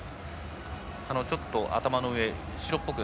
ちょっと頭の上、白っぽく。